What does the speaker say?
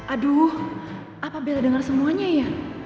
aduh apa bella denger semuanya ya